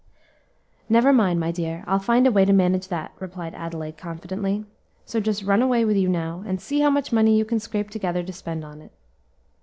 "Never mind, my dear, I'll find a way to manage that," replied Adelaide, confidently; "so just run away with you now, and see how much money you can scrape together to spend on it."